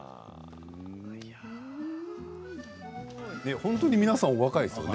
本当に皆さんお若いですよね。